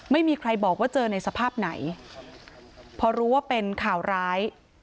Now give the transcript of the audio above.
ไม่มีใครบอกว่าเจอในสภาพไหนพอรู้ว่าเป็นข่าวร้าย